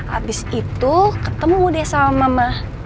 abis itu ketenu deh sama mamah